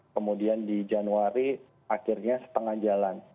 kemudian di januari akhirnya setengah jalan